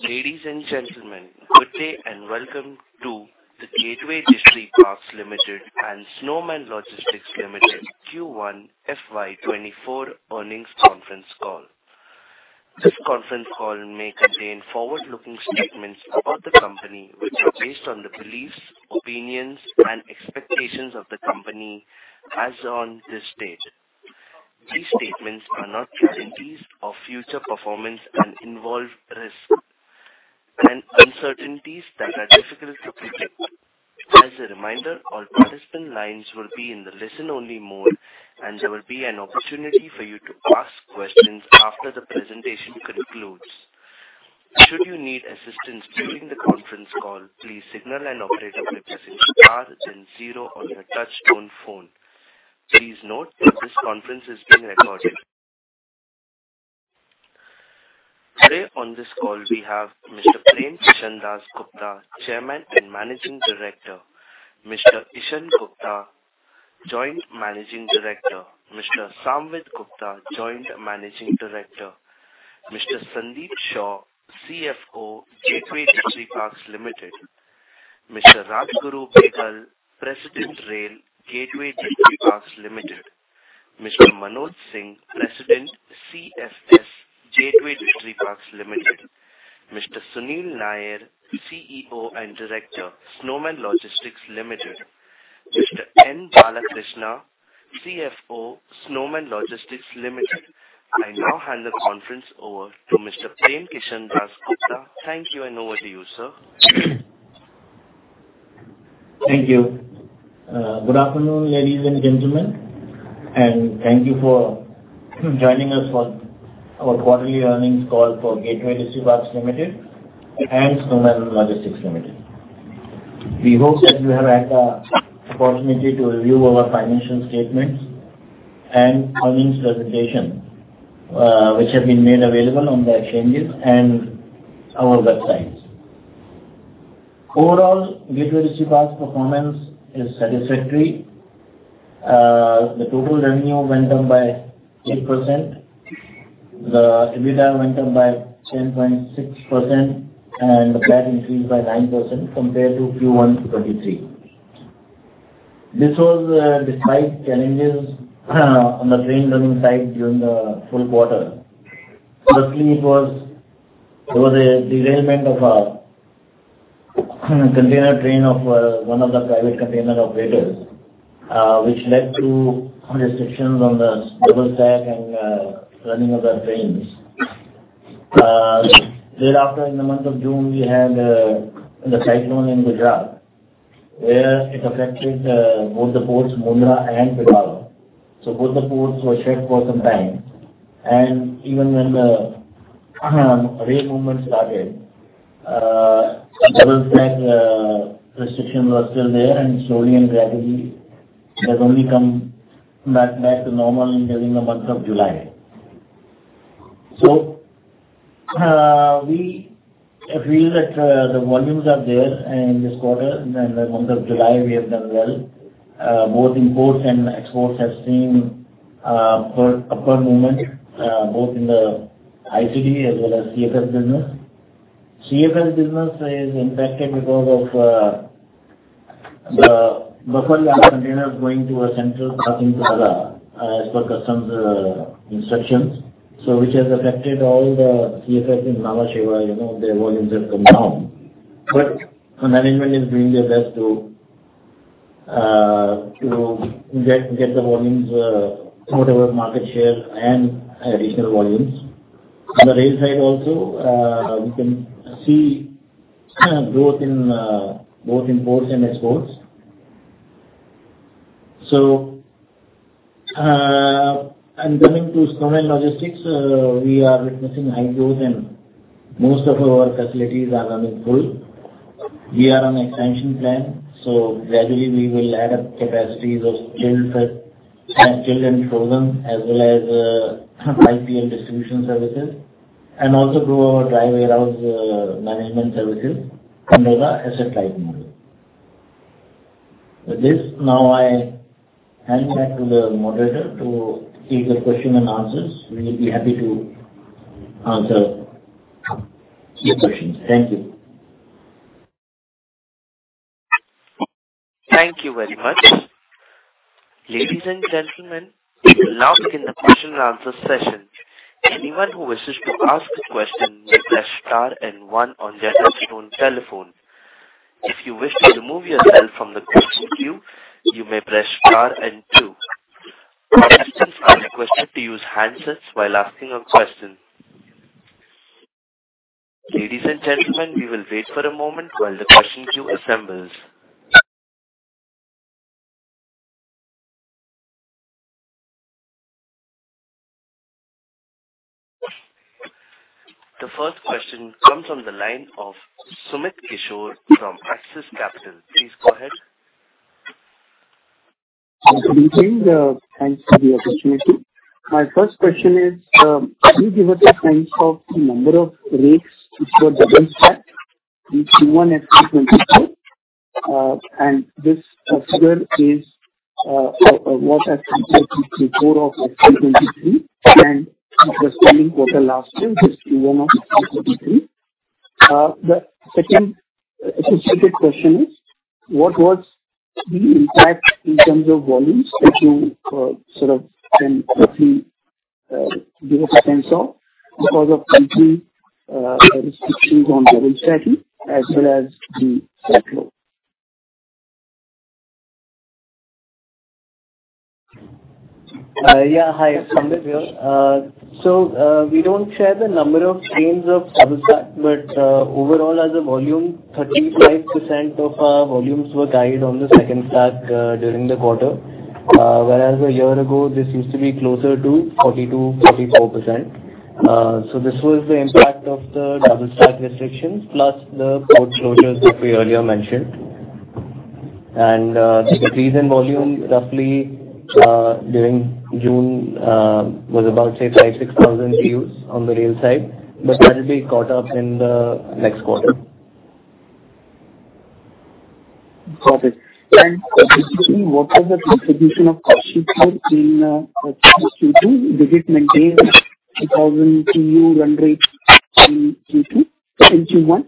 Ladies and gentlemen, good day and welcome to the Gateway Distriparks Limited and Snowman Logistics Limited Q1 FY 2024 earnings conference call. This conference call may contain forward-looking statements about the company, which are based on the beliefs, opinions, and expectations of the company as on this date. These statements are not guarantees of future performance and involve risks and uncertainties that are difficult to predict. As a reminder, all participant lines will be in the listen-only mode, and there will be an opportunity for you to ask questions after the presentation concludes. Should you need assistance during the conference call, please signal an operator by pressing star then zero on your touchtone phone. Please note that this conference is being recorded. Today on this call, we have Mr. Prem Kishan Dass Gupta, Chairman and Managing Director. Mr. Ishaan Gupta, Joint Managing Director. Mr. Samvid Gupta, Joint Managing Director. Mr. Sandeep Shaw, CFO, Gateway Distriparks Limited. Mr. Rajguru Behgal, President Rail, Gateway Distriparks Limited. Mr. Manoj Singh, President, CFS, Gateway Distriparks Limited. Mr. Sunil Nair, CEO and Director, Snowman Logistics Limited. Mr. N. Balakrishna, CFO, Snowman Logistics Limited. I now hand the conference over to Mr. Prem Kishan Dass Gupta. Thank you, and over to you, sir. Thank you. Good afternoon, ladies and gentlemen, thank you for joining us for our quarterly earnings call for Gateway Distriparks Limited and Snowman Logistics Limited. We hope that you have had the opportunity to review our financial statements and earnings presentation, which have been made available on the exchanges and our websites. Overall, Gateway Distriparks performance is satisfactory. The total revenue went up by 6%. EBITDA went up by 10.6%, PAT increased by 9% compared to Q1 2023. This was despite challenges on the train running side during the full quarter. Firstly, there was a derailment of a container train of one of the private container operators, which led to restrictions on the double stack and running of the trains. Thereafter, in the month of June, we had the cyclone in Gujarat, where it affected both the ports Mundra and Pipavav. Both the ports were shut for some time, even when the rail movement started, double stack restrictions were still there, slowly and gradually, they've only come back to normal during the month of July. We feel that the volumes are there in this quarter. In the month of July, we have done well. Both imports and exports have seen upward movement, both in the ICD as well as CFS business. CFS business is impacted because of the buffer yard containers going to a central park in Kadapa as per customs instructions. Which has affected all the CFS in Nhava Sheva, their volumes have come down. Management is doing their best to get the volumes, whatever market share and additional volumes. On the rail side also, we can see growth in both imports and exports. Coming to Snowman Logistics, we are witnessing high growth and most of our facilities are running full. We are on expansion plan, gradually we will add up capacities of chilled and frozen, as well as 5PL distribution services, and also grow our dry warehouse management services under the asset light model. With this, I hand back to the moderator to take the question and answers. We will be happy to answer your questions. Thank you. Thank you very much. Ladies and gentlemen, we will now begin the question and answer session. Anyone who wishes to ask a question may press star one on their touchtone telephone. If you wish to remove yourself from the question queue, you may press star two. Participants are requested to use handsets while asking a question. Ladies and gentlemen, we will wait for a moment while the question queue assembles. The first question comes on the line of Sumit Kishore from Axis Capital. Please go ahead. Good evening. Thanks for the opportunity. My first question is, can you give us a sense of the number of rakes which were double stacked Q1 FY 2024. This quarter is what I think Q4 of FY 2023 and the standing quarter last year, Q1 of FY 2024. The second associated question is, what was the impact in terms of volumes that you can roughly give a sense of because of complete restrictions on double stacking as well as the port load? Hi, Sandeep here. We do not share the number of trains of double stack, but overall as a volume, 35% of our volumes were carried on the second stack during the quarter. Whereas a year ago, this used to be closer to 42%-44%. This was the impact of the double stack restrictions plus the port closures that we earlier mentioned. The decrease in volume roughly during June was about, say, 5,000-6,000 TEUs on the rail side, but that will be caught up in the next quarter. Got it. Specifically, what was the contribution of Kashipur in Q2? Did it maintain 2,000 TEU run rate in Q2, in Q1?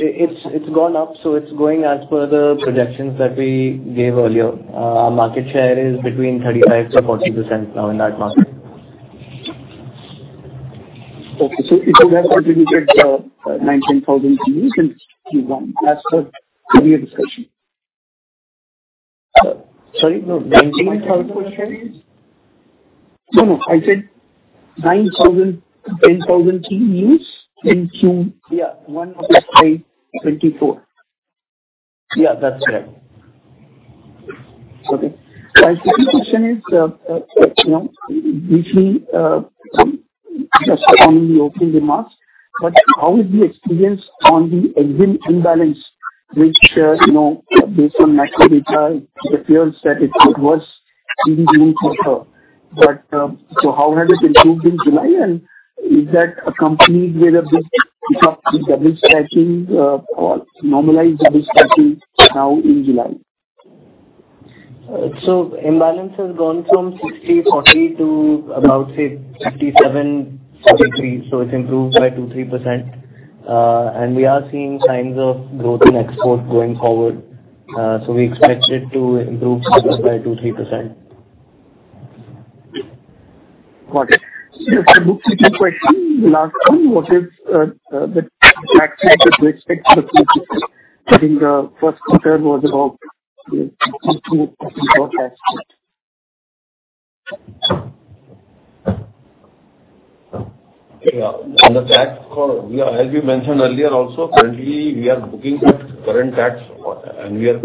It's gone up, so it's going as per the projections that we gave earlier. Our market share is between 35%-40% now in that market. Okay. It would have contributed 9,000-10,000 TEUs in Q1 as per your discussion. Sorry? No. 9,000-10,000 what? No, no. I said 9,000, 10,000 TEUs in Q1 of FY 2024. That's right. Okay. The key question is briefly, just on the opening remarks, but how is the experience on the exim imbalance, which based on macro data, it appears that it was really in favor. How has it improved in July, and is that accompanied with a bit of the double stacking or normalized double stacking now in July? Imbalance has gone from 60/40 to about, say, 57/43. It's improved by two, 3%. We are seeing signs of growth in export going forward. We expect it to improve further by two, 3%. Got it. 2 questions. The last one, what is the tax rate that you expect for FY 2024? I think the first quarter was about 15% tax. On the tax call, as we mentioned earlier also, currently we are booking at current tax and we are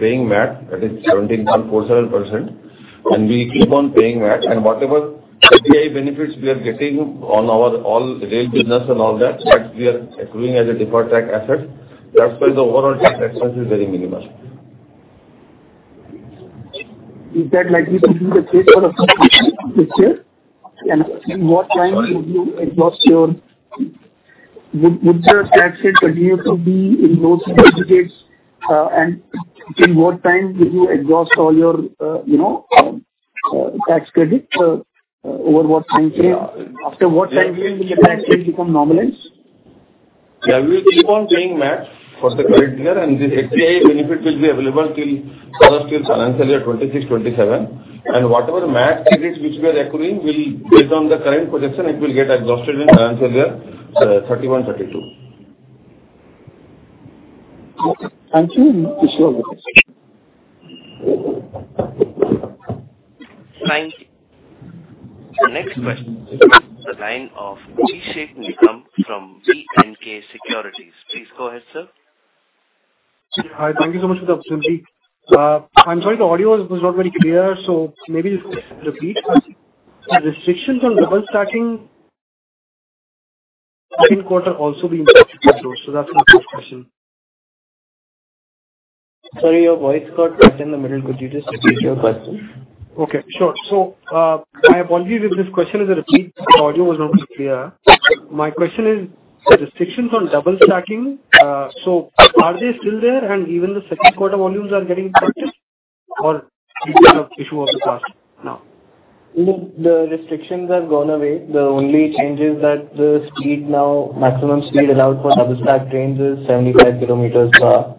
paying MAT, that is 21.47%, and we keep on paying MAT. Whatever FPI benefits we are getting on our all rail business and all that we are accruing as a deferred tax asset. The overall tax expense is very minimal. Is that likely to be the case for the full year? In what time would you exhaust your tax rate continue to be in those digits, and in what time will you exhaust all your tax credit? After what time frame will your tax rate become nominal? We keep on paying MAT for the current year. This FPI benefit will be available till financial year 2026-2027. Whatever MAT credits which we are accruing based on the current projection, it will get exhausted in financial year 2031-2032. Okay. Thank you. Thank you. The next question comes from the line of Jignesh Shial from BNK Securities. Please go ahead, sir. Hi. Thank you so much for the opportunity. I'm sorry, the audio was not very clear, so maybe just a repeat. The restrictions on double stacking, second quarter also being impacted by those. That's my first question. Sorry, your voice got cut in the middle. Could you just repeat your question? Okay, sure. I apologize if this question is a repeat. The audio was not very clear. My question is the restrictions on double stacking, are they still there and even the second quarter volumes are getting impacted or it is an issue of the past now? No, the restrictions have gone away. The only change is that the maximum speed allowed for double stack trains is 75 km per hour.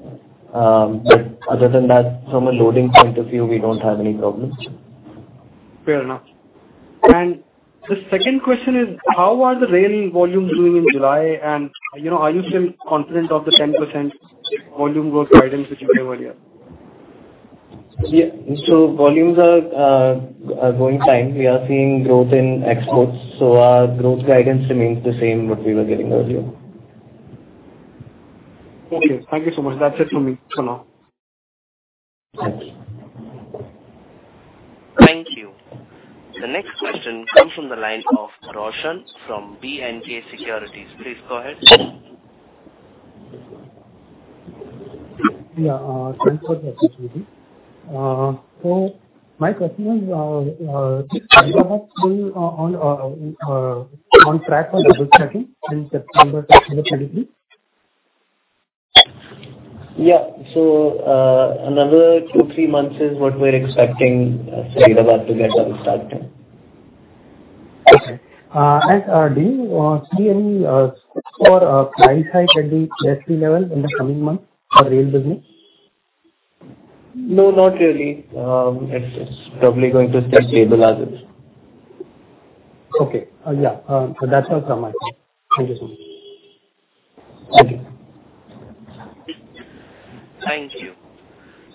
Other than that, from a loading point of view, we don't have any problems. Fair enough. The second question is, how are the rail volumes doing in July? Are you still confident of the 10% volume growth guidance which you gave earlier? Volumes are going fine. We are seeing growth in exports, so our growth guidance remains the same what we were giving earlier. Okay. Thank you so much. That's it from me for now. Thank you. The next question comes from the line of Roshan from BNK Securities. Please go ahead. Yeah. Thanks for the opportunity. My question is Vadodara on track for double stacking in September 2023? Yeah. Another two, three months is what we're expecting Vadodara to get double stacked. Okay. Do you see any scope for client side at the S3 level in the coming months for rail business? No, not really. It's probably going to stay stable as is. Okay. Yeah. That's all from my side. Thank you so much. Okay. Thank you.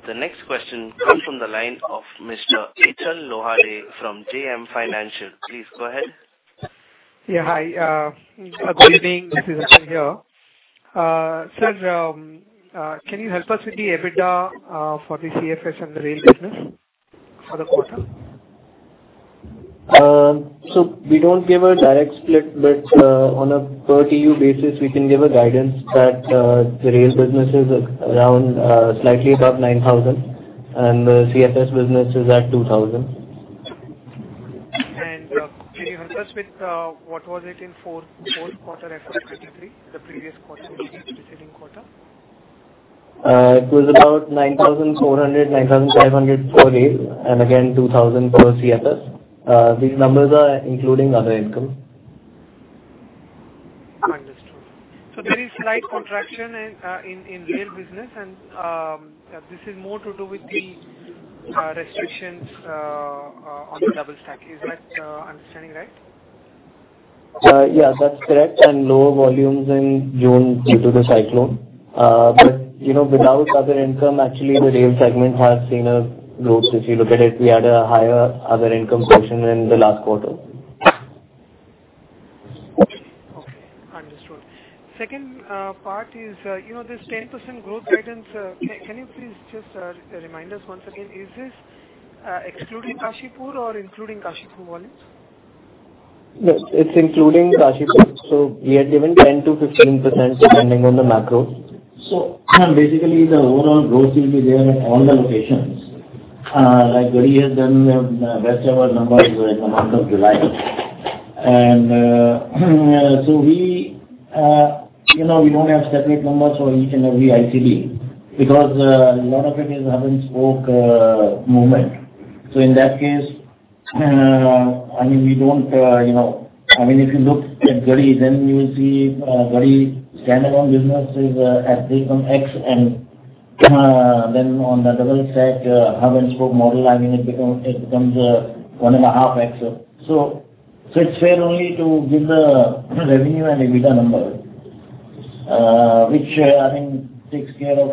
The next question comes from the line of Mr. Achal Lohade from JM Financial. Please go ahead. Yeah. Hi. Good evening. This is Achal here. Sir, can you help us with the EBITDA for the CFS and the rail business for the quarter? We don't give a direct split, but on a per TEU basis, we can give a guidance that the rail business is around slightly above 9,000, and the CFS business is at 2,000. Can you help us with what was it in fourth quarter FY 2023, the previous quarter preceding quarter? It was about 9,400, 9,500 for rail, and again, 2,000 for CFS. These numbers are including other income. Understood. There is slight contraction in rail business, and this is more to do with the restrictions on the double stack. Is my understanding right? Yeah, that's correct. Lower volumes in June due to the cyclone. Without other income, actually, the rail segment has seen a growth. If you look at it, we had a higher other income portion than the last quarter. Okay, understood. Second part is, this 10% growth guidance, can you please just remind us once again, is this excluding Kashipur or including Kashipur volumes? No, it's including Kashipur. We had given 10%-15% depending on the macros. Basically the overall growth will be there at all the locations. Like Garhi has done best ever numbers in the month of July. We don't have separate numbers for each and every ICD, because a lot of it is hub-and-spoke movement. In that case, if you look at Garhi, then you will see Garhi standalone business is at become X and then on the double stack hub-and-spoke model, it becomes 1.5x. It's fair only to give the revenue and EBITDA number, which I think takes care of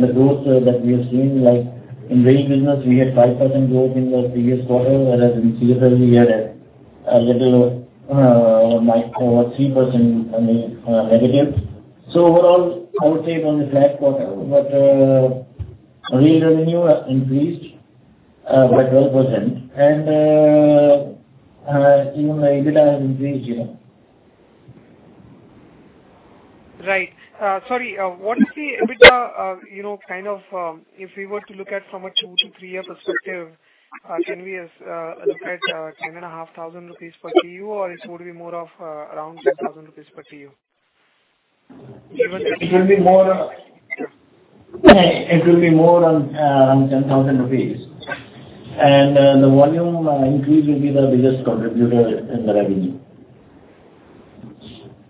The growth that we are seeing, like in rail business, we had 5% growth in the previous quarter, whereas in CFS, we had a little over 3% revenue. Overall, I would say it was a flat quarter, but rail revenue has increased by 12% and even the EBITDA has increased here. Right. Sorry, what's the EBITDA, if we were to look at from a 2-3-year perspective, can we look at 10,500 rupees per TEU or it's going to be more of around 6,000 rupees per TU? It will be more around 10,000 rupees. The volume increase will be the biggest contributor in the revenue.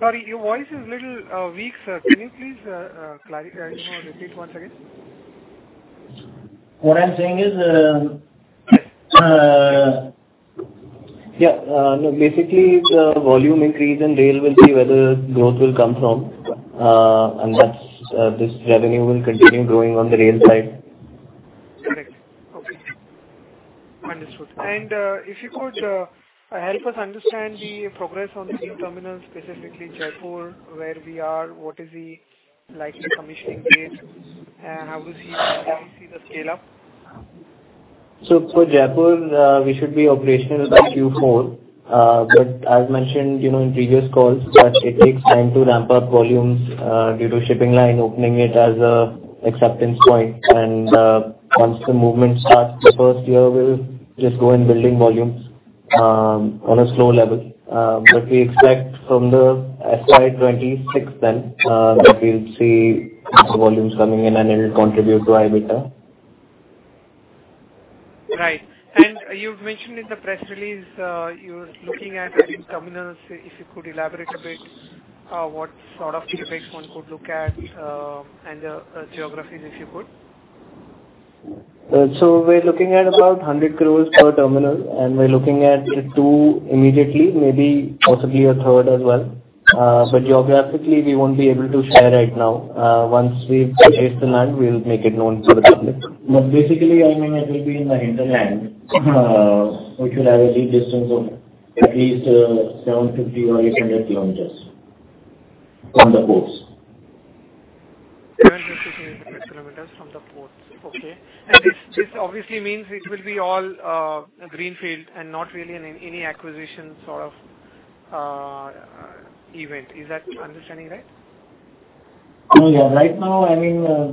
Sorry, your voice is little weak, sir. Can you please repeat once again? basically the volume increase in rail will be where the growth will come from. This revenue will continue growing on the rail side. Correct. Okay. Understood. If you could help us understand the progress on the green terminals, specifically Jaipur, where we are, what is the likely commissioning date? How do we see the scale-up? For Jaipur, we should be operational by Q4. As mentioned in previous calls, that it takes time to ramp up volumes due to shipping line opening it as an acceptance point. Once the movement starts, the first year we'll just go in building volumes on a slow level. We expect from the FY 2026 then, that we'll see the volumes coming in and it will contribute to EBITDA. Right. You've mentioned in the press release, you're looking at adding terminals, if you could elaborate a bit, what sort of CapEx one could look at, and the geographies, if you could. We are looking at about 100 crore per terminal, and we are looking at two immediately, maybe possibly a third as well. Geographically, we will not be able to share right now. Once we have acquired the land, we will make it known to the public. Basically, it will be in the hinterland, which will have a distance of at least 750 or 800 kilometers from the ports. 25 kilometers from the port. Okay. This obviously means it will be all greenfield and not really any acquisition sort of event. Is that understanding right? No, yeah. Right now,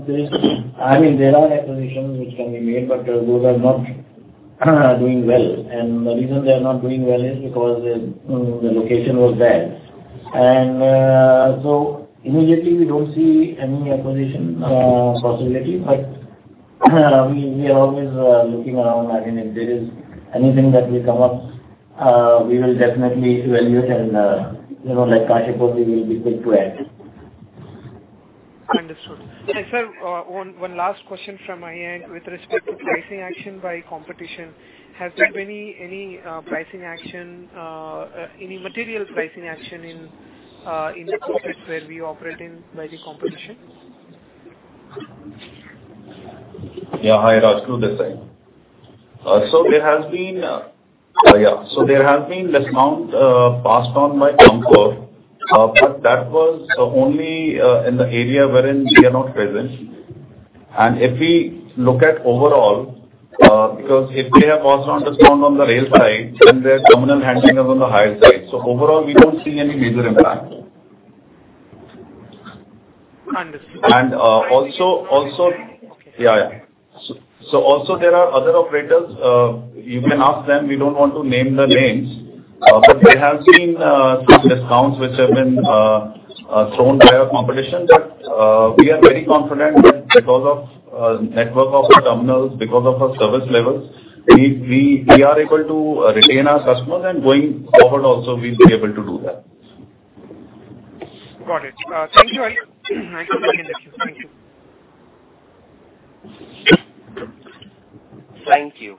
there are acquisitions which can be made, but those are not doing well. The reason they are not doing well is because the location was bad. So immediately we do not see any acquisition possibility, but we are always looking around. If there is anything that will come up, we will definitely evaluate and like Kaushik was saying we will be quick to act. Understood. Sir, one last question from my end with respect to pricing action by competition. Has there been any pricing action, any material pricing action in the pockets where we operate in by the competition? Yeah. Hi, Raj. Sunil speaking. There has been discount passed on by CONCOR, that was only in the area wherein we are not present. If we look at overall, because if they have passed on discount on the rail side, then their terminal handling is on the higher side. Overall, we don't see any major impact. Understood. And also- Okay. Yeah. Also there are other operators, you can ask them. We don't want to name the names. Okay There have been some discounts which have been thrown by our competition that we are very confident that because of network of our terminals, because of our service levels, we are able to retain our customers and going forward also we'll be able to do that. Got it. Thank you, guys. Nice talking to you. Thank you.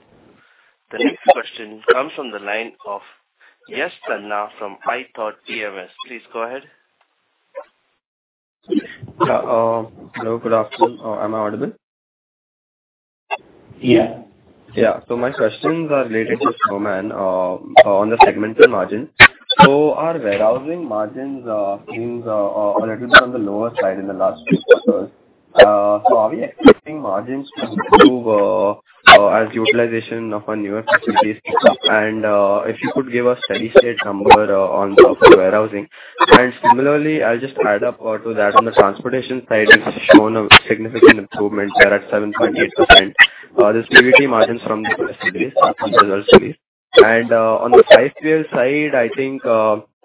Thank you. The next question comes from the line of Yash Tanna from ithought PMS. Please go ahead. Hello. Good afternoon. Am I audible? Yeah. Yeah. My questions are related to Snowman on the segmental margin. Our warehousing margins seems a little bit on the lower side in the last few quarters. Are we expecting margins to improve as utilization of our newer facilities kicks up? If you could give a steady state number on the offer warehousing. Similarly, I'll just add up to that. On the transportation side, it's shown a significant improvement there at 7.8%. This PBT margin from the results release. On the 5PL side, I think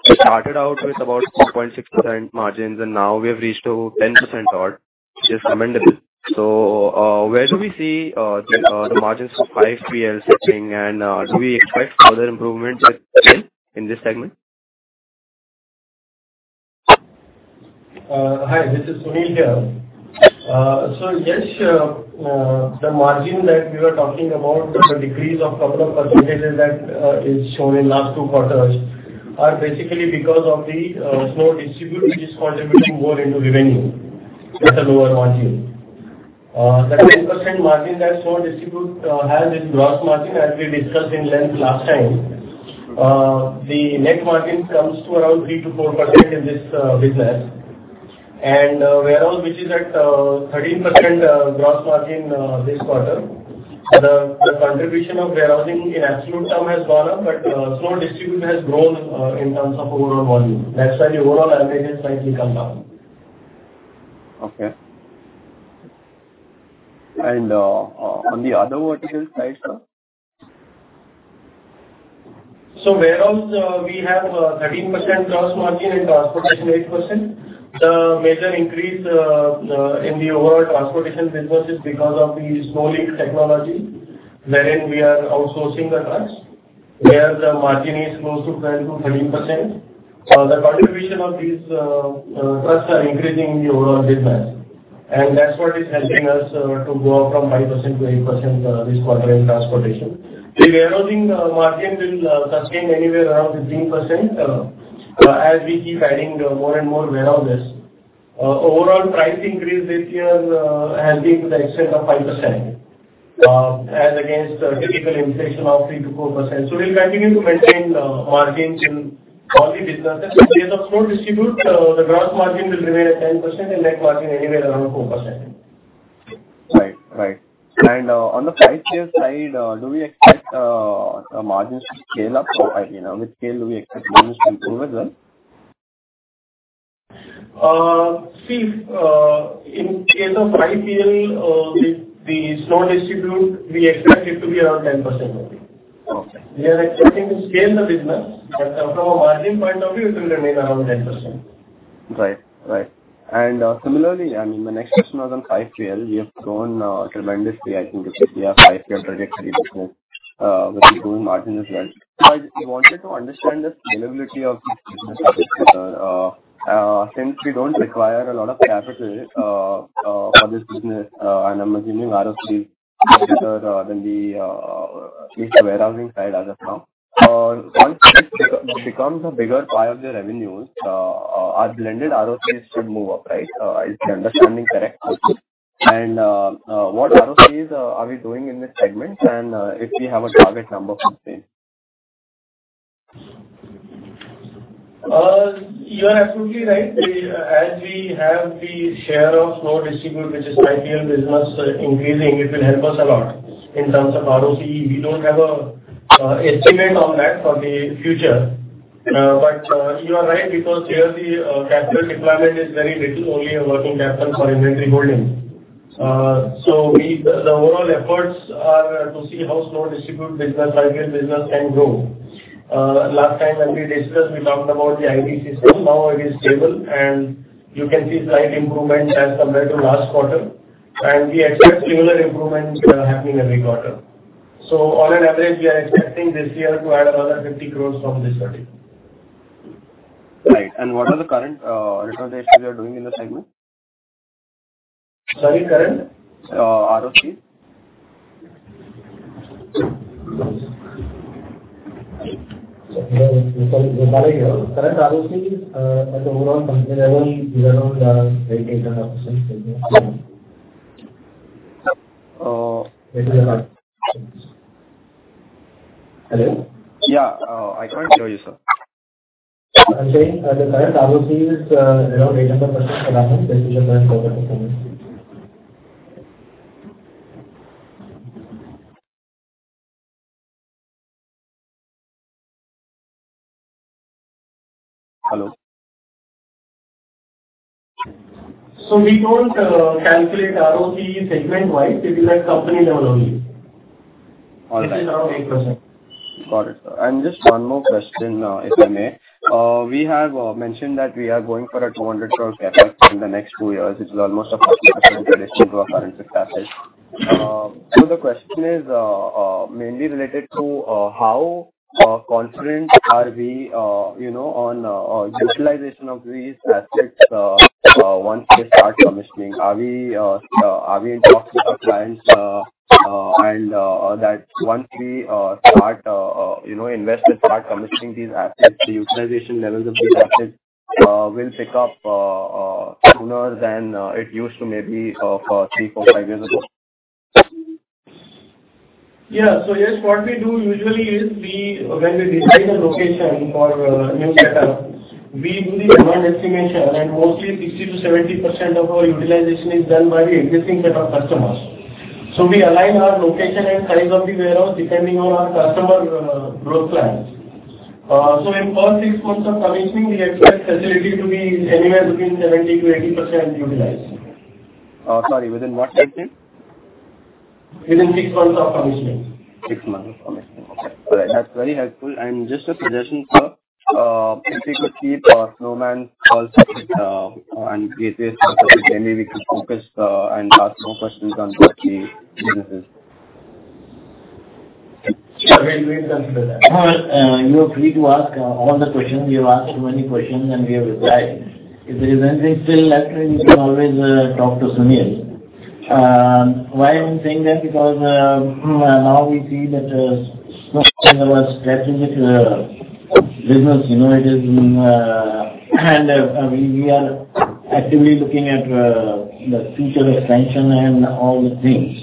we started out with about 4.6% margins, and now we have reached to 10% odd, which is commendable. Where do we see the margins for 5PL sitting and do we expect further improvement there in this segment? Hi, this is Sunil here. Yash, the margin that we were talking about, the decrease of couple of percentages that is shown in last two quarters are basically because of the SNOWDISTRIBUTE which is contributing more into revenue at a lower margin. The 10% margin that SNOWDISTRIBUTE has in gross margin, as we discussed in length last time, the net margin comes to around 3%-4% in this business. Warehouse, which is at 13% gross margin this quarter, the contribution of warehousing in absolute term has gone up, but SNOWDISTRIBUTE has grown in terms of overall volume. That's why the overall average has slightly come down. Okay. On the other vertical side, sir? Warehouse we have 13% gross margin and transportation 8%. The major increase in the overall transportation business is because of the Snowline technology, wherein we are outsourcing the trucks where the margin is close to 10%-13%. The contribution of these trucks are increasing in the overall business, that's what is helping us to go from 5%-8% this quarter in transportation. The warehousing margin will sustain anywhere around 15% as we keep adding more and more warehouses. Overall price increase this year has been to the extent of 5%, as against typical inflation of 3%-4%. We'll continue to maintain margins in all the businesses. In case of SNOWDISTRIBUTE, the gross margin will remain at 10% and net margin anywhere around 4%. Right. On the 5PL side, do we expect the margins to scale up? With scale, do we expect margins to improve as well? In case of 5PL with the SNOWDISTRIBUTE, we expect it to be around 10% only. Okay. We are expecting to scale the business, from a margin point of view, it will remain around 10%. Right. Similarly, my next question was on 5PL. We have grown tremendously, I think it's a clear 5PL trajectory business with improving margin as well. I wanted to understand the scalability of this business, since we don't require a lot of capital for this business and I'm assuming ROC is better than the warehousing side as of now. Once it becomes a bigger pie of the revenues, our blended ROCs should move up, right? Is my understanding correct? What ROCs are we doing in this segment, and if we have a target number for the same You are absolutely right. We have the share of SNOWDISTRIBUTE, which is high yield business increasing, it will help us a lot in terms of ROCE. We don't have an estimate on that for the future. You are right because here the capital requirement is very little, only a working capital for inventory holding. The overall efforts are to see how SNOWDISTRIBUTE business, high yield business can grow. Last time when we discussed, we talked about the IT system, now it is stable, and you can see slight improvements as compared to last quarter. We expect similar improvements happening every quarter. On an average, we are expecting this year to add another 50 crores from this segment. Right. What are the current utilization you are doing in the segment? Sorry, current? ROCE. Sorry, repeat. Current ROCE at the overall company level is around 8%. Oh. It is around 8%. Hello? Yeah. I can't hear you, sir. I'm saying the current ROCE is around 8% approximately. This is our current quarter performance. Hello? We don't calculate ROCE segment-wise. It is at company level only. All right. It is around 8%. Got it. Just one more question, if I may. We have mentioned that we are going for a 200 crore CapEx in the next two years, which is almost a 100% addition to our current CapEx. The question is mainly related to how confident are we on utilization of these assets once they start commissioning. Are we in talks with our clients, and that once we start investing, start commissioning these assets, the utilization levels of these assets will pick up sooner than it used to maybe three, four, five years ago? Yeah. Yes, what we do usually is when we decide the location for a new setup, we do the demand estimation, and mostly 60%-70% of our utilization is done by the existing set of customers. We align our location and size of the warehouse depending on our customer growth plans. In all six months of commissioning, we expect facility to be anywhere between 70%-80% utilized. Sorry, within what time frame? Within six months of commissioning. Six months of commissioning. Okay. All right. That's very helpful. Just a suggestion, sir. If we could keep our Snowman call separate and Gateway separate, maybe we could focus and ask more questions on Gateway businesses. Sure. We will consider that. You are free to ask all the questions. You have asked many questions, we have replied. If there is anything still left, you can always talk to Sunil. Why I'm saying that because now we see that Snowman is our strategic business. We are actively looking at the future expansion and all the things.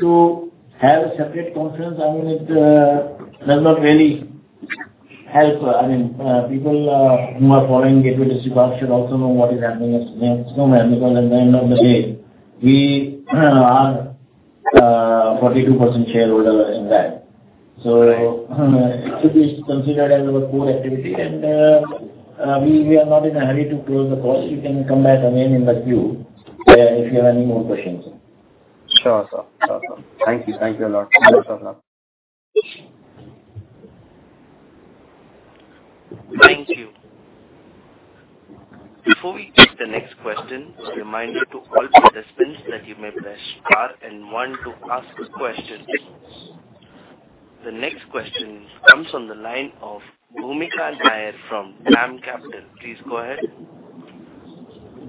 To have a separate conference, it does not really help. People who are following Gateway Distriparks should also know what is happening at Snowman, because at the end of the day, we are a 42% shareholder in that. It is considered as our core activity, and we are not in a hurry to close the call. You can come back again in the queue if you have any more questions. Sure, sir. Thank you. Thank you a lot. Thank you. Before we take the next question, a reminder to all participants that you may press star 1 to ask a question. The next question comes on the line of Bhoomika Nair from DAM Capital. Please go ahead.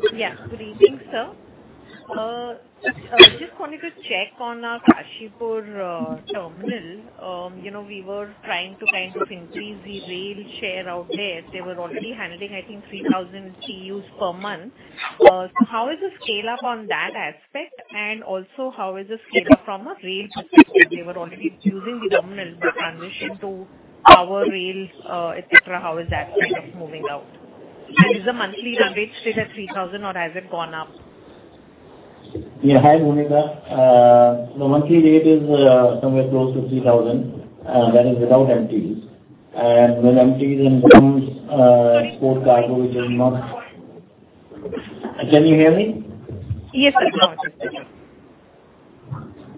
Greetings, sir. I just wanted to check on our Kashipur terminal. We were trying to increase the rail share out there. They were already handling, I think, 3,000 TEUs per month. How is the scale-up on that aspect, and also how is the scale-up from a rail perspective? They were already using the terminal, but transition to our rail, et cetera, how is that aspect moving out? Is the monthly run rate still at 3,000 or has it gone up? Yeah. Hi, Bhoomika. The monthly rate is somewhere close to 3,000, that is without MTs. With MTs includes export cargo, which is Can you hear me? Yes, sir. Now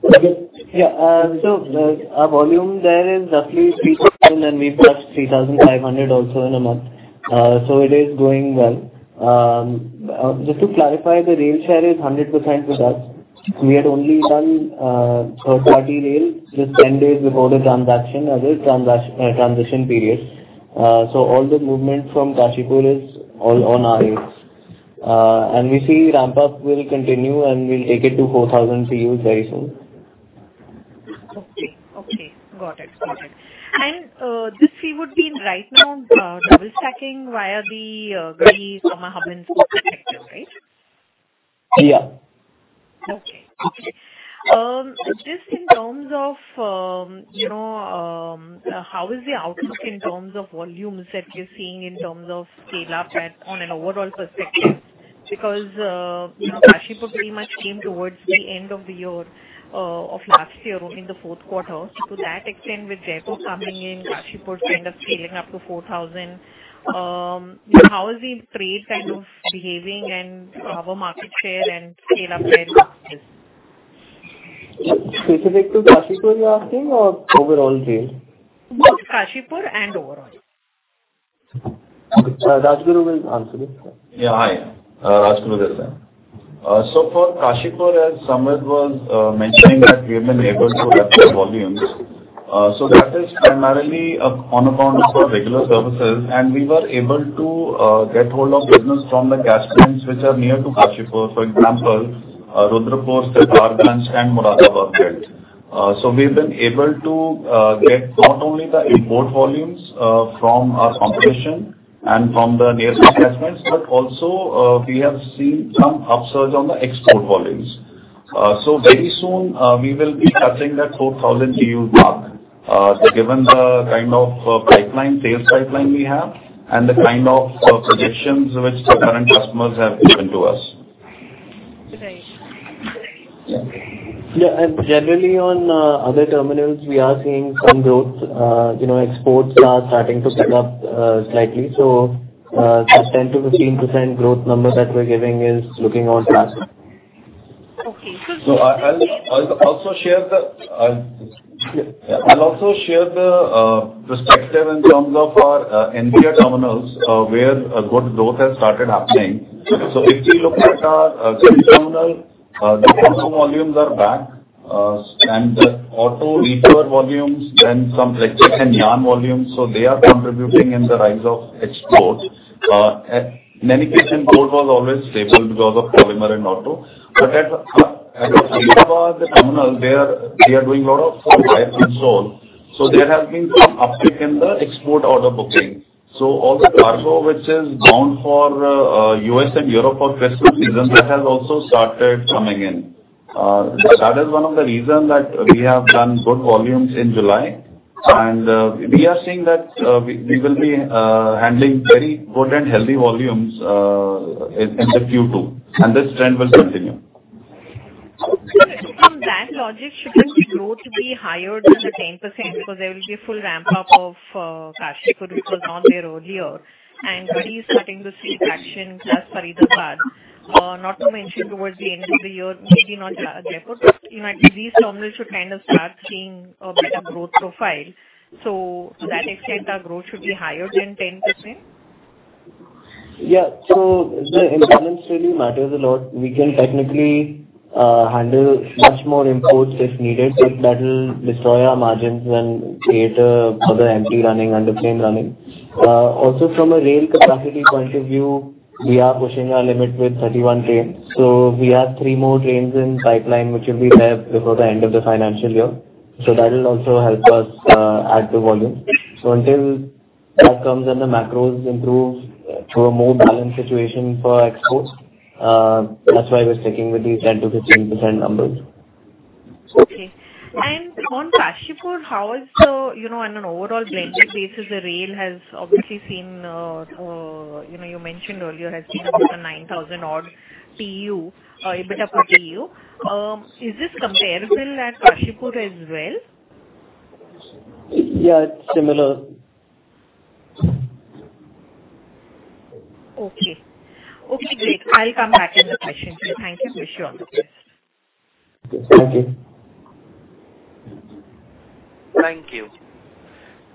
it is clear. Yeah. Our volume there is roughly 3,000, and we burst 3,500 also in a month. It is going well. Just to clarify, the rail share is 100% with us. We had only done third-party rail just 10 days before the transaction as a transition period. All the movement from Kashipur is all on our rails. We see ramp-up will continue, and we'll take it to 4,000 TEUs very soon. Okay. Got it. This 4,000 would be right now double stacking via the Garhi Harsaru hub and port effective, right? Yeah. Okay. Just in terms of how is the outlook in terms of volumes that you're seeing in terms of scale up and on an overall perspective, because Kashipur pretty much came towards the end of last year in the fourth quarter. To that extent, with Jaipur coming in, Kashipur kind of scaling up to 4,000, how is the trade kind of behaving and our market share and scale up there? Specific to Kashipur you're asking or overall rail? Both Kashipur and overall. Rajguru will answer this. Yeah. Hi, Rajguru here. For Kashipur, as Samvid was mentioning that we have been able to capture volumes. That is primarily on account of our regular services, and we were able to get hold of business from the gas plants which are near to Kashipur. For example, Rudrapur, Sitarganj, and Moradabad belt. We've been able to get not only the import volumes from our competition and from the nearest attachments, but also we have seen some upsurge on the export volumes. Very soon we will be touching that 4,000 TEUs mark. Given the kind of sales pipeline we have and the kind of suggestions which the current customers have given to us. Today. Yeah. Generally on other terminals, we are seeing some growth. Exports are starting to pick up slightly. The 10%-15% growth number that we're giving is looking on track. Okay. I'll also share the perspective in terms of our India terminals, where good growth has started happening. If we look at our Delhi terminal, the cargo volumes are back and the auto, e-tour volumes, then some textile and yarn volumes, they are contributing in the rise of exports. Medication port was always stable because of polymer and auto. At Faridabad terminal, they are doing lot of 4-wire console. There has been some uptick in the export order booking. All the cargo which is bound for U.S. and Europe for Christmas season has also started coming in. That is one of the reason that we have done good volumes in July. We are seeing that we will be handling very good and healthy volumes in the Q2 and this trend will continue. From that logic, shouldn't the growth be higher than the 10% because there will be a full ramp-up of Kashipur, which was not there earlier, and Garhi is starting to see traction, plus Faridabad. Not to mention towards the end of the year, maybe not Jaipur, but these terminals should kind of start seeing a better growth profile. To that extent, our growth should be higher than 10%? Yeah. The imbalance really matters a lot. We can technically handle much more imports if needed, that will destroy our margins and create other empty running, under plane running. Also from a rail capacity point of view, we are pushing our limit with 31 trains. We have three more trains in pipeline, which will be there before the end of the financial year. That will also help us add the volume. Until that comes and the macros improve to a more balanced situation for exports, that's why we're sticking with these 10%-15% numbers. Okay. On Kashipur, how is the, on an overall blended basis, the rail has obviously seen, you mentioned earlier, has been above a 9,000 odd EBITDA per TEU. Is this comparable at Kashipur as well? Yeah, it's similar. Okay. Great. I'll come back with the questions later. Thank you. Wish you all the best. Thank you. Thank you.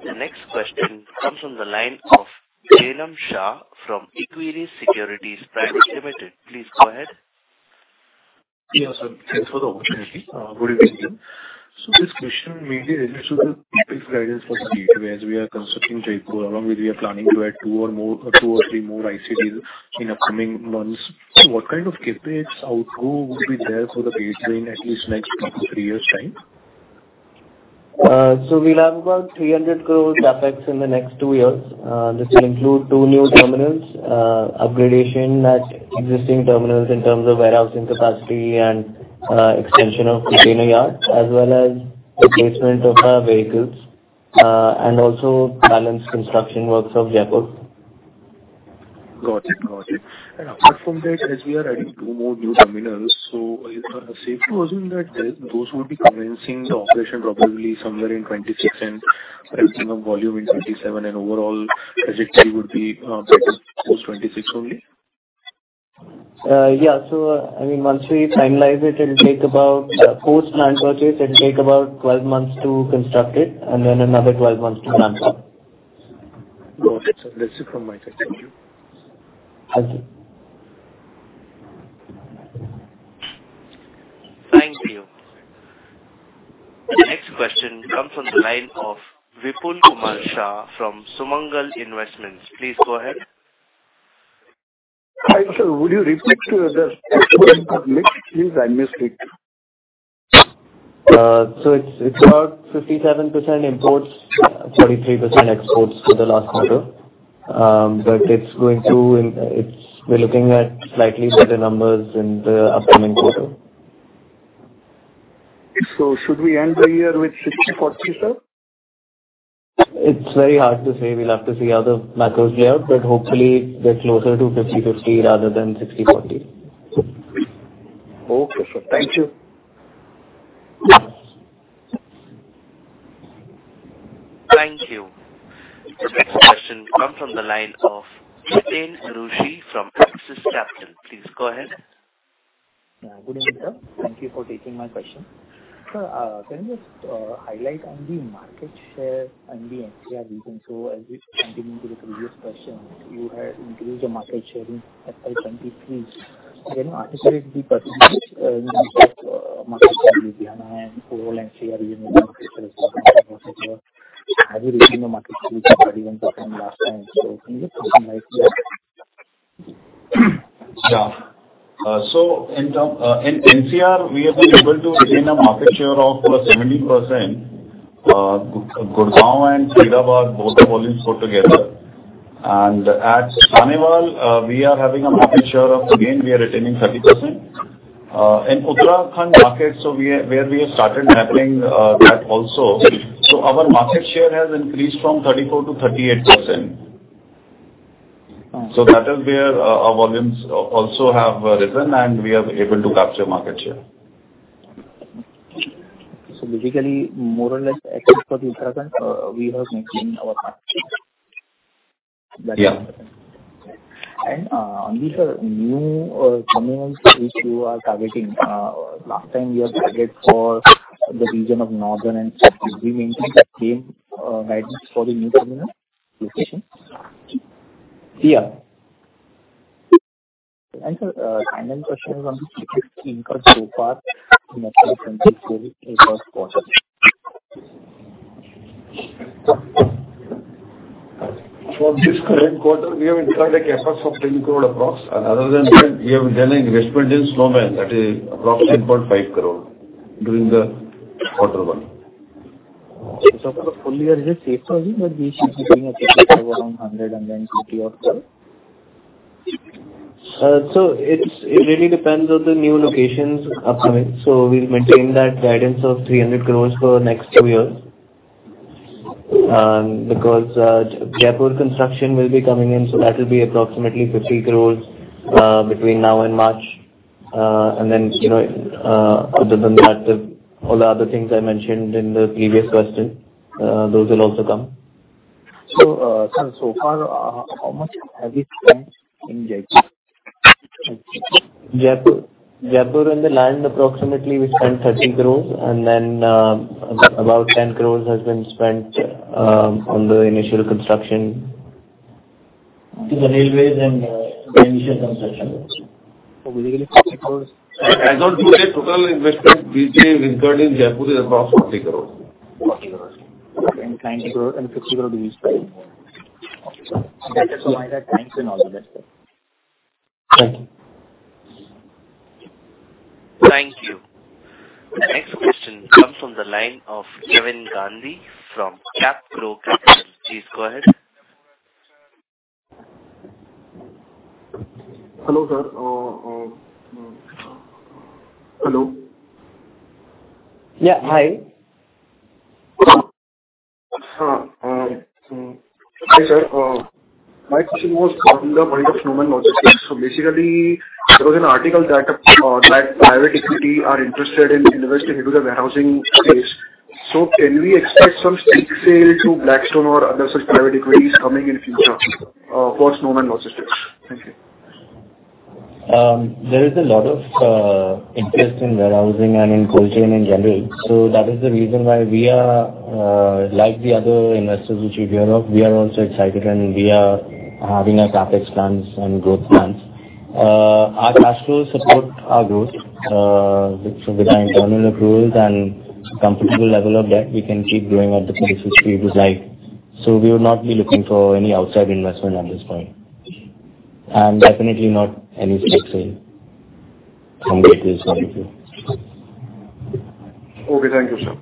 The next question comes from the line of Jainam Shah from Equirus Securities Private Limited. Please go ahead. Yes. Thanks for the opportunity. Good evening. This question mainly relates to the CapEx guidance for Gateway as we are constructing Jaipur, along with we are planning to add two or three more ICDs in upcoming months. What kind of CapEx outgo would be there for the Gateway in at least next two to three years' time? We'll have about 300 crores CapEx in the next two years. This will include two new terminals, upgradation at existing terminals in terms of warehousing capacity and extension of container yards, as well as replacement of our vehicles, and also balance construction works of Jaipur. Got it. Apart from that, as we are adding two more new terminals, is it safe to assume that those would be commencing the operation probably somewhere in 2026 and ramping up volume in 2027 and overall CapEx pool would be post 2026 only? Yeah. Once we finalize it, post land purchase, it'll take about 12 months to construct it and then another 12 months to ramp up. Got it. That's it from my side. Thank you. Thank you. Thank you. The next question comes from the line of Vipul Kumar Shah from Sumangal Investments. Please go ahead. Hi. Would you reflect to whether please? I missed it. It's about 57% imports, 33% exports for the last quarter. We're looking at slightly better numbers in the upcoming quarter. Should we end the year with 60-40, sir? It is very hard to say. We will have to see how the macros play out. Hopefully get closer to 50/50 rather than 60/40. Okay, sir. Thank you. Thank you. The next question comes from the line of Jiten Arusi from Axis Capital. Please go ahead. Good evening, sir. Thank you for taking my question. Sir, can you just highlight on the market share and the NCR region? As we continue with the previous question, you had increased your market share in FY 2023. Can you articulate the percentage in terms of market share in Delhi and overall NCR region market share? Have you retained the market share of 31% last time? Can you just throw some light here? Yeah. In NCR, we have been able to retain a market share of +70%. Gurgaon and Faridabad, both the volumes put together. At Sahnewal, we are having a market share of, again, we are retaining 30%. In Uttarakhand market, where we have started mapping that also, our market share has increased from 34%-38%. Okay. That is where our volumes also have risen, and we are able to capture market share. Basically, more or less except for Uttarakhand we have maintained our market share. Yeah. On the new terminals which you are targeting, last time you had a target for the region of northern and central. Do you maintain that same guidance for the new terminal locations? Yeah. Sir, final question is on the CapEx incurred so far in first quarter. For this current quarter, we have incurred a CapEx of 10 crore approx. Other than that, we have done an investment in Snowman that is approximately 1.5 crore during the quarter one. For the full year is it safe to assume that we should be looking at CapEx of around INR 150 or so? It really depends on the new locations upcoming. We're maintaining that guidance of 300 crore for next two years, Jaipur construction will be coming in, that will be approximately 50 crore between now and March. Other than that, all the other things I mentioned in the previous question, those will also come. How much have you spent in Jaipur? Jaipur and the land approximately we spent 30 crores and then about 10 crores has been spent on the initial construction. To the railways and the initial construction. As on today, total investment which we have incurred in Jaipur is approx INR 40 crores. INR 40 crore. INR 30 crore and INR 50 crore will be spent. Okay, sir. That is provided CapEx and all of that, sir. Thank you. Thank you. The next question comes from the line of Kevin Gandhi from CapPro Capital. Please go ahead. Hello, sir. Hello? Yeah. Hi. Hi, sir. My question was from the point of Snowman Logistics. Basically, there was an article that private equity are interested in investing into the warehousing space. Can we expect some stake sale to Blackstone or other such private equities coming in future for Snowman Logistics? Thank you. There is a lot of interest in warehousing and in cold chain in general. That is the reason why we are, like the other investors which you hear of, we are also excited and we are having our CapEx plans and growth plans. Our cash flows support our growth. With our internal accruals and comfortable level of debt, we can keep growing at the pace which we would like. We would not be looking for any outside investment at this point, and definitely not any stake sale from Gateway's point of view. Okay. Thank you, sir.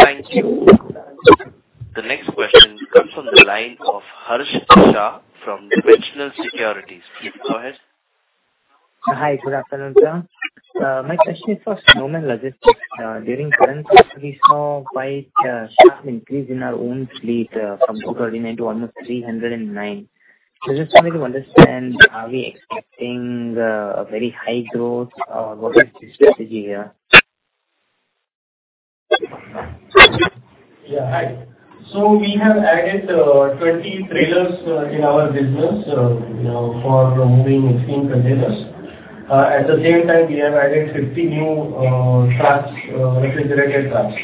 Thank you. The next question comes from the line of Harsh Shah from Dimensional Securities. Please go ahead. Hi. Good afternoon, sir. My question is for Snowman Logistics. During current fiscal, we saw quite a sharp increase in our own fleet from 290 to almost 309. Just for me to understand, are we expecting a very high growth? Or what is the strategy here? Yeah. Hi. We have added 20 trailers in our business for moving 15 containers. At the same time, we have added 50 new refrigerated trucks.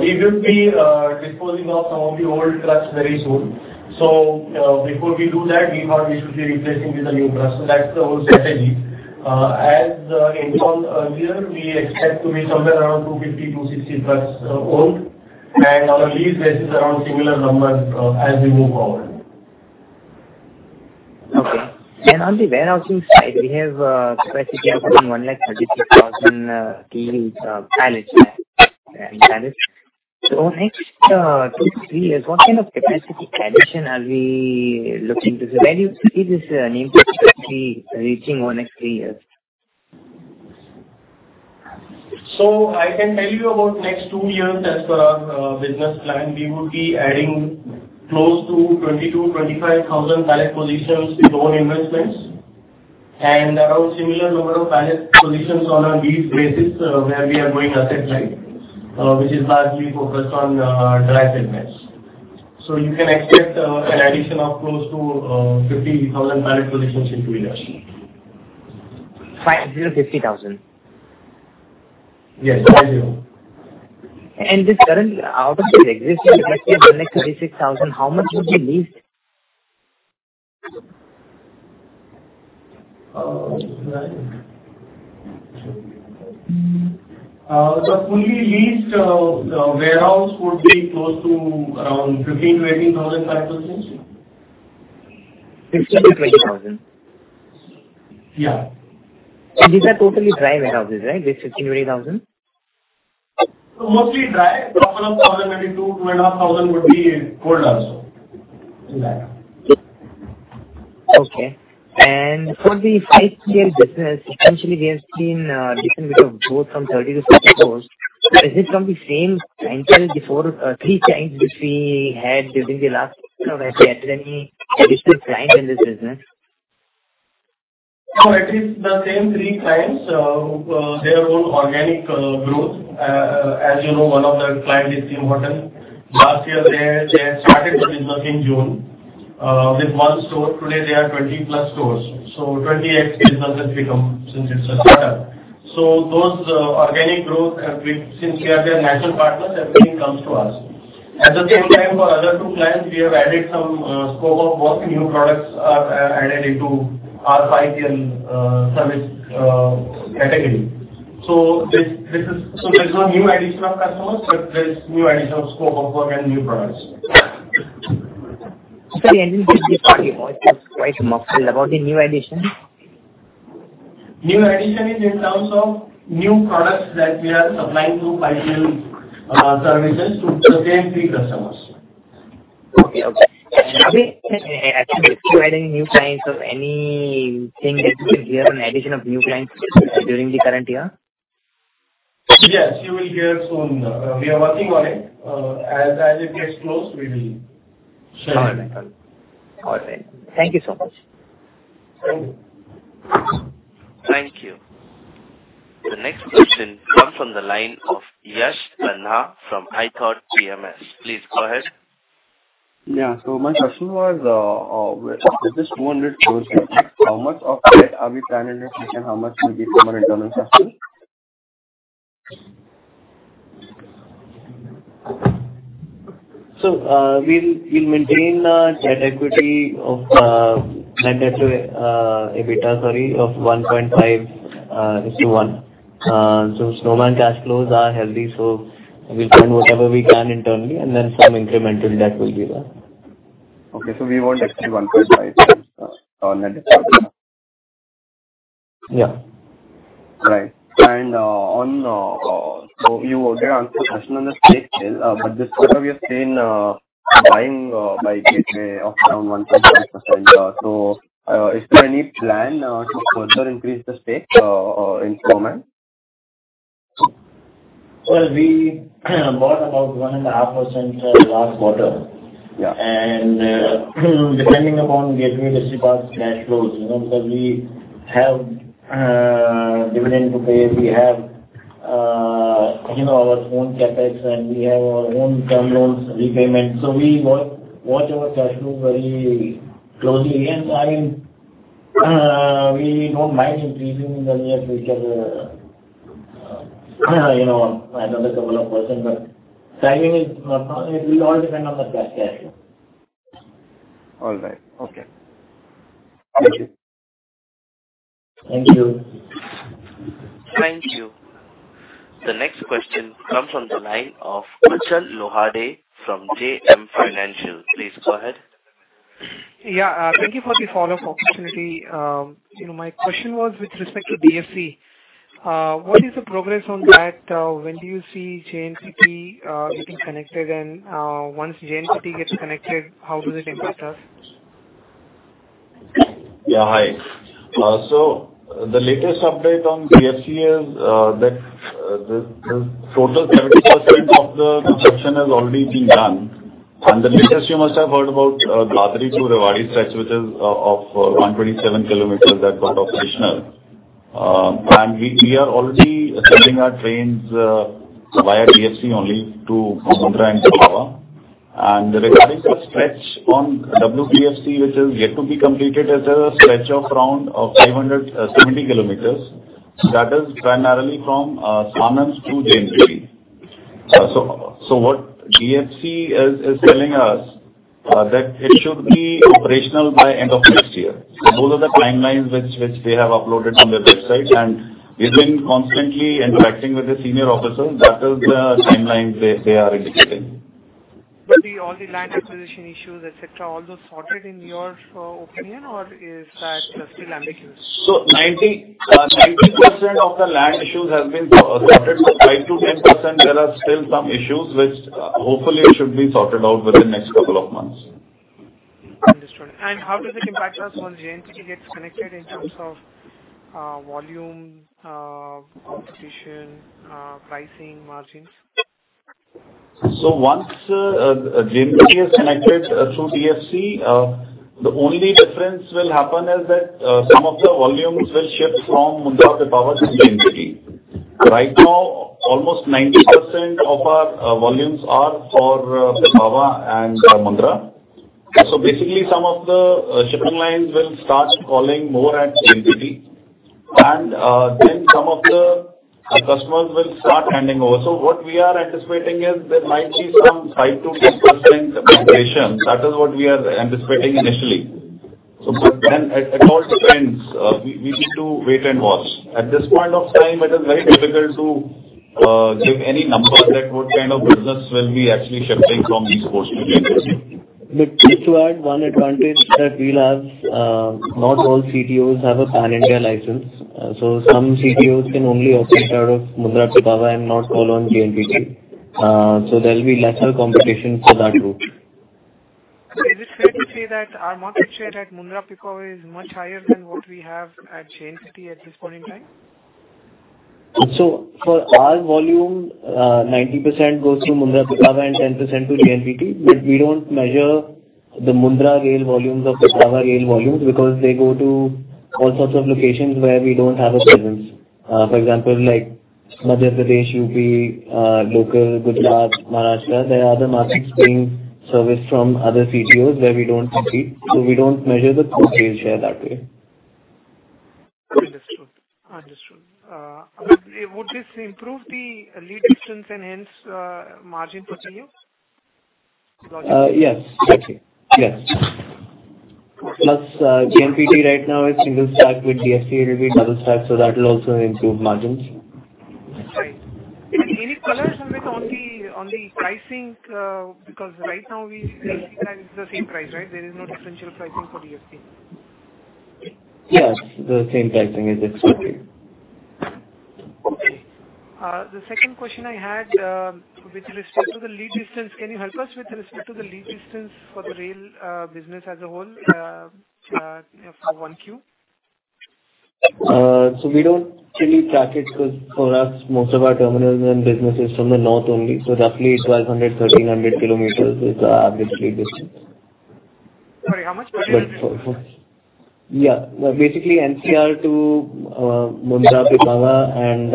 We will be disposing off some of the old trucks very soon. Before we do that, we thought we should be replacing with the new trucks. That's the whole strategy. As on earlier, we expect to be somewhere around 250-260 trucks owned andur lease basis around similar numbers as we move forward. Okay. On the warehousing side, we have a capacity of around 1 lakh 36,000 pallets. Over the next two to three years, what kind of capacity addition are we looking to see? Where do you see this reaching over the next three years? I can tell you about next two years as per our business plan. We would be adding close to 22,000-25,000 pallet positions with own investments, and around similar number of pallet positions on a lease basis where we are going asset light, which is largely focused on our dry segments. You can expect an addition of close to 50,000 pallet positions in two years. 50,000? Yes, 50. This current, out of the existing capacity of 136,000, how much would you lease? The fully leased warehouse would be close to around 15,000-18,000 pallet positions. 15,000-18,000? Yeah. These are totally dry warehouses, right? This 15,000-18,000. Mostly dry. Roughly 1,022 to 1,500 would be cold also in that. Okay. For the 5PL business, essentially we have seen decent bit of growth from 30-60 stores. Is it from the same clients as before, three clients which we had during the last kind of FY, or are there any additional clients in this business? No, it is the same three clients, their own organic growth. As you know, one of the client is Tim Hortons. Last year, they had started the business in June, with one store. Today, they have 20+ stores. 28 stores has become since it's a startup. Those organic growth, since we are their natural partners, everything comes to us. At the same time, for other two clients, we have added some scope of work and new products are added into our 3PL service category. There's no new addition of customers, but there's new addition of scope of work and new products. Sorry, I didn't get the part about the new addition. New addition is in terms of new products that we are supplying to 3PL services to the same three customers. Okay. Have we actually acquired any new clients or anything that you can hear on addition of new clients during the current year? Yes. You will hear soon. We are working on it. As it gets close, we will share it. All right. Thank you so much. What is the progress on that? When do you see JNPT getting connected? Once JNPT gets connected, how does it impact us? Yeah. Hi. The latest update on DFC is that the total 30% of the construction has already been done. The latest you must have heard about Dadri to Rewari stretch, which is of 127 km that got operational. We are already sending our trains via DFC only to Mumbai and Jalore. Regarding the stretch on WDFC, which is yet to be completed, is a stretch of around 570 km. That is primarily from Sachin to JNPT. What DFC is telling us That it should be operational by end of next year. Those are the timelines which they have uploaded on their website, and we've been constantly interacting with the senior officers. That is the timeline they are indicating. Would be all the land acquisition issues, et cetera, all those sorted in your opinion, or is that still ambiguous? 90% of the land issues have been sorted. 5%-10%, there are still some issues which hopefully should be sorted out within next couple of months. Understood. How does it impact us once JNPT gets connected in terms of volume, competition, pricing, margins? Once JNPT is connected through DFC, the only difference will happen is that some of the volumes will shift from Mundra-Pipavav to JNPT. Right now, almost 90% of our volumes are for Pipavav and Mundra. Basically, some of the shipping lines will start calling more at JNPT. Then some of the customers will start handing over. What we are anticipating is there might be some 5%-10% competition. That is what we are anticipating initially. But then it all depends. We need to wait and watch. At this point of time, it is very difficult to give any numbers that what kind of business will be actually shifting from these ports to JNPT. Just to add one advantage that we'll have, not all CTOs have a pan-India license. Some CTOs can only operate out of Mundra-Pipavav and not call on JNPT. There'll be lesser competition for that route. Is it fair to say that our market share at Mundra, Pipavav is much higher than what we have at JNPT at this point in time? For our volume, 90% goes to Mundra, Pipavav and 10% to JNPT. We don't measure the Mundra rail volumes or Pipavav rail volumes because they go to all sorts of locations where we don't have a presence. For example, like Madhya Pradesh, UP, local Gujarat, Maharashtra, there are other markets being serviced from other CTOs where we don't compete, so we don't measure the total rail share that way. Understood. Would this improve the lead distance and hence margin per TEU? Logically. Yes, exactly. Yes. JNPT right now is single stack with DFC, it will be double stack, so that will also improve margins. Right. Any colors a bit on the pricing? Right now we basically charge the same price, right? There is no differential pricing for DFC. Yes, the same pricing is expected. Okay. The second question I had, with respect to the lead distance, can you help us with respect to the lead distance for the rail business as a whole for 1Q? We don't really track it because for us, most of our terminals and business is from the north only, roughly 1,200, 1,300 kilometers is our average lead distance. Sorry, how much was it? Basically NCR to Mundra Pipavav and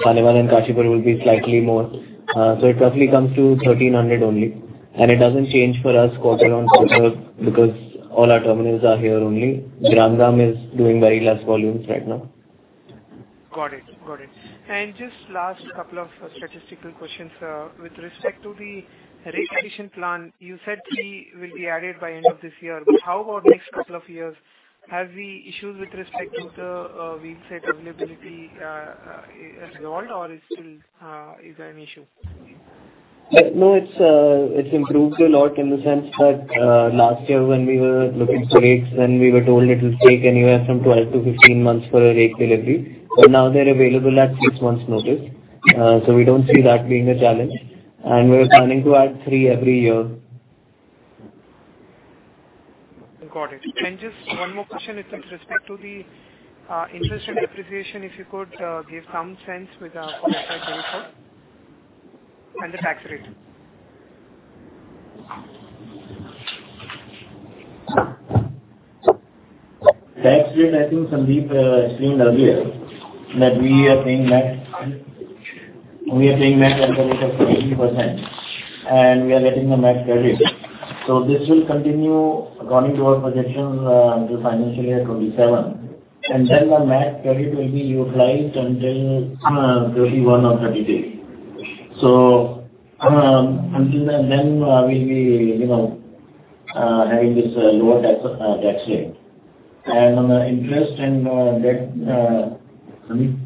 Khanewal and Kashipur will be slightly more. It roughly comes to 1,300 only. It doesn't change for us quarter-on-quarter because all our terminals are here only. Viramgam is doing very less volumes right now. Got it. Just last couple of statistical questions. With respect to the rakes addition plan, you said three will be added by end of this year. How about next couple of years? Have the issues with respect to the wheelset availability resolved or is still an issue? No, it's improved a lot in the sense that last year when we were looking for rakes, then we were told it will take anywhere from 12-15 months for a rake delivery. Now they're available at six months notice, we don't see that being a challenge. We're planning to add three every year. Got it. Just one more question with respect to the interest and depreciation, if you could give some sense for the full year and the tax rate. Tax rate, I think Sandeep explained earlier that we are paying MAT. We are paying MAT at the rate of 15%, we are getting a MAT credit. This will continue according to our projections until financial year 2027, then the MAT credit will be utilized until 2031 or 2033. Until then, we'll be having this lower tax rate. On the interest and debt, Sandeep.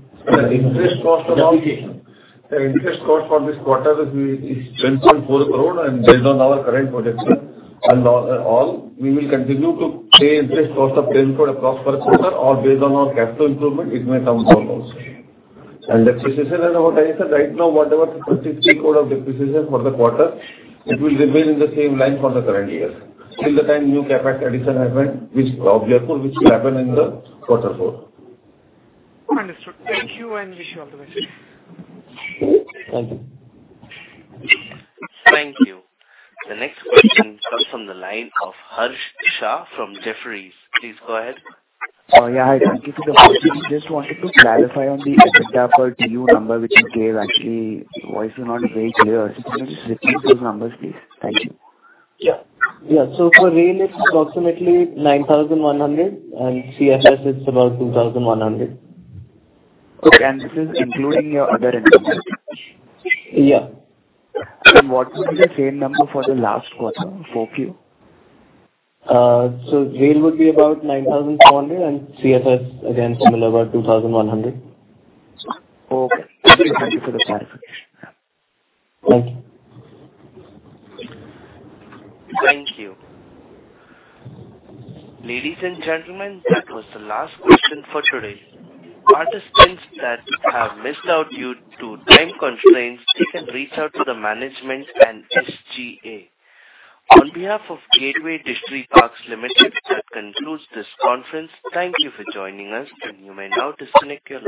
The interest cost for this quarter is 10.4 crore, based on our current projection and all, we will continue to pay interest cost of 10 crore across per quarter, or based on our capital improvement, it may come down also. Depreciation and amortization, right now, whatever INR 33 crore of depreciation for the quarter, it will remain in the same line for the current year. Till the time new CapEx addition happen, which hopefully will happen in the quarter four. Understood. Thank you, wish you all the best. Thank you. Thank you. The next question comes from the line of Harsh Shah from Jefferies. Please go ahead. Yeah. Thank you for the opportunity. Just wanted to clarify on the EBITDA for TEU number which you gave. Actually, voice was not very clear. Can you just repeat those numbers, please? Thank you. Yeah. For rail, it's approximately 9,100, and CFS, it's about 2,100. Okay. This is including your other expenses? Yeah. What was the same number for the last quarter, 4Q? Rail would be about 9,400, and CFS, again, similar, about 2,100. Okay. Thank you for the clarification. Thank you. Thank you. Ladies and gentlemen, that was the last question for today. Participants that have missed out due to time constraints can reach out to the management and SGA. On behalf of Gateway Distriparks Limited, that concludes this conference. Thank you for joining us and you may now disconnect.